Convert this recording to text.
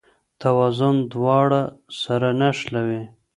توازن دواړه سره نښلوي.